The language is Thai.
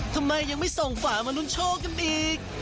ทำไมยังไม่ส่งฝามาลุ้นโชคกันอีก